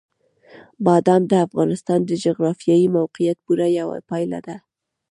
بادام د افغانستان د جغرافیایي موقیعت پوره یوه پایله ده.